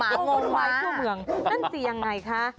ม้างงมาให้ทั่วเมืองนั่นสิยังไงคะ